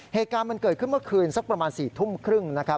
เหตุการณ์มันเกิดขึ้นเมื่อคืนสักประมาณ๔ทุ่มครึ่งนะครับ